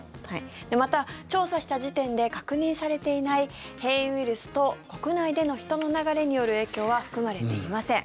また、調査した時点で確認されていない変異ウイルスと国内での人の流れによる影響は含まれていません。